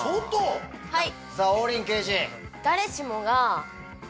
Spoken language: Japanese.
はい！